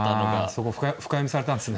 そこ深読みされたんですね。